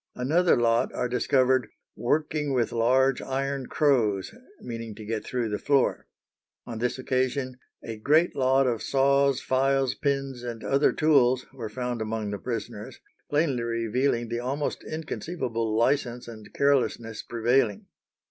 Another lot are discovered "working with large iron crows," meaning to get through the floor. On this occasion "a great lot of saws, files, pins, and other tools" were found among the prisoners, plainly revealing the almost inconceivable license and carelessness prevailing.